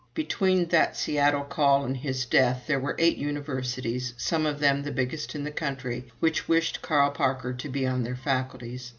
Between that Seattle call and his death there were eight universities, some of them the biggest in the country, which wished Carl Parker to be on their faculties.